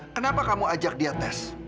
kenapa kamu ajak dia tes